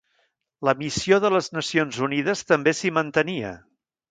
La missió de les Nacions Unides també s'hi mantenia.